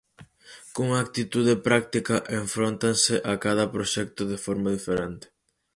Cunha actitude práctica enfróntanse a cada proxecto de forma diferente.